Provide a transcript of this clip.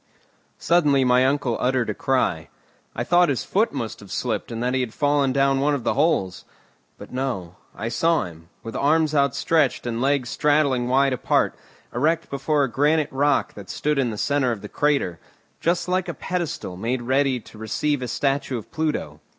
Suddenly my uncle uttered a cry. I thought his foot must have slipped and that he had fallen down one of the holes. But, no; I saw him, with arms outstretched and legs straddling wide apart, erect before a granite rock that stood in the centre of the crater, just like a pedestal made ready to receive a statue of Pluto.